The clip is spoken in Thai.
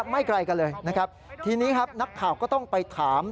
ไม่ไกลกันเลยนะครับทีนี้ครับนักข่าวก็ต้องไปถาม